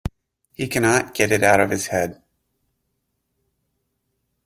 He cannot get it out of his head.